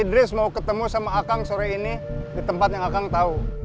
kang idris mau ketemu sama a kang sore ini di tempat yang a kang tau